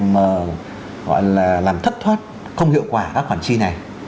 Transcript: mà gọi là làm thất thoát không hiệu quả các khoản chi này